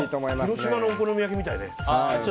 広島のお好み焼きみたいね。